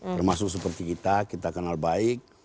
termasuk seperti kita kita kenal baik